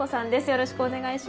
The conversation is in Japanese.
よろしくお願いします。